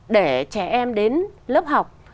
để trẻ em đến lớp học